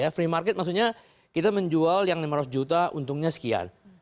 free market maksudnya kita menjual yang lima ratus juta untungnya sekian